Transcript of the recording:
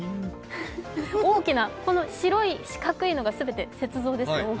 大きな白い四角いのが全て雪像ですね。